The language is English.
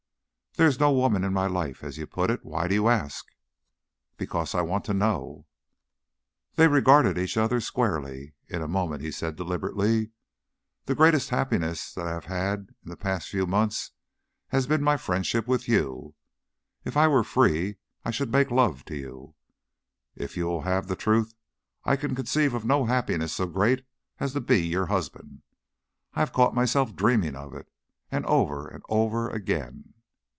"There is no woman in my life, as you put it. Why do you ask?" "Because I want to know." They regarded each other squarely. In a moment he said deliberately: "The greatest happiness that I have had in the past few months has been my friendship with you. If I were free, I should make love to you. If you will have the truth, I can conceive of no happiness so great as to be your husband. I have caught myself dreaming of it and over and over again.